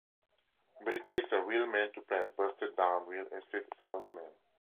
But it takes a real man to play a busted-down real estate salesman.